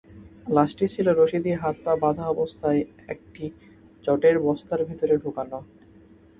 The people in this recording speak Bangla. লাশটি ছিল রশি দিয়ে হাত-পা বাঁধা অবস্থায় একটি চটের বস্তার ভেতরে ঢোকানো।